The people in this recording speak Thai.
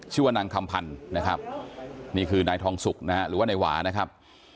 ชื่อว่านางคำพันธ์นะครับนี่คือนายทองสุกนะฮะหรือว่านายหวานะครับ